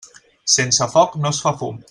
Sense foc no es fa fum.